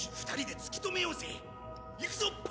２人で突き止めようぜ。